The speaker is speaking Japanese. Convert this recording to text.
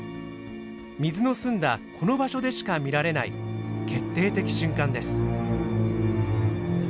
水の澄んだこの場所でしか見られない決定的瞬間です。